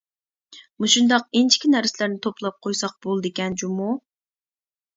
مۇشۇنداق ئىنچىكە نەرسىلەرنى توپلاپ قويساق بولىدىكەن جۇمۇ.